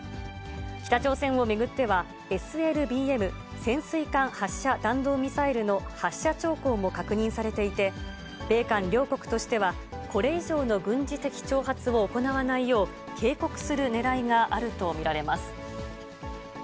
北朝鮮を巡っては、ＳＬＢＭ・潜水艦発射弾道ミサイルの発射兆候も確認されていて、米韓両国としては、これ以上の軍事的挑発を行わないよう、警告するねらいがあると見られます。